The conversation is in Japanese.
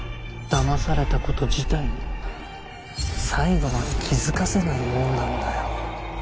だまされた事自体に最後まで気づかせないもんなんだよ。